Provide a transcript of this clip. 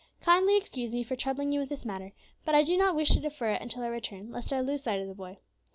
"Kindly excuse me for troubling you with this matter; but I do not wish to defer it until our return, lest I lose sight of the boy.